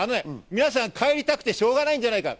皆さん帰りたくて仕方がないんじゃないかと。